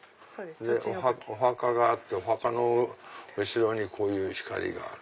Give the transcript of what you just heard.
お墓があってお墓の後ろにこういう光がある。